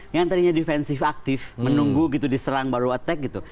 yang tadinya defensive aktif menunggu gitu diserang baru attack gitu